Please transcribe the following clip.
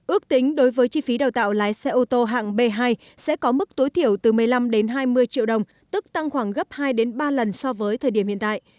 ước tính đối với chi phí đào tạo lái xe ô tô hạng b hai sẽ có mức tối thiểu từ một mươi năm đến hai mươi triệu đồng tức tăng khoảng gấp hai ba lần so với thời điểm hiện tại